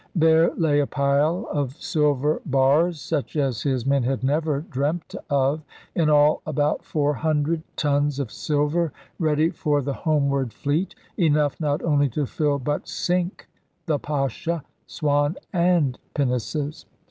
There lay a pile of silver bars such as his men had never dreamt of: in all about four hundred tons of silver ready for the homeward fleet — enough not only to fill but sink the Pascha, Swan, and pinnaces.